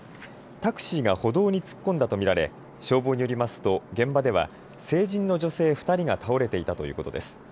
タクシーが歩道に突っ込んだと見られ消防によりますと現場では成人の女性２人が倒れていたということです。